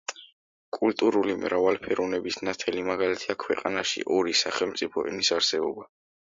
კულტურული მრავალფეროვნების ნათელი მაგალითია ქვეყანაში ორი სახელმწიფო ენის არსებობა.